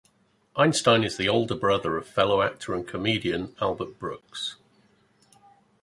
Einstein is the older brother of fellow actor and comedian Albert Brooks.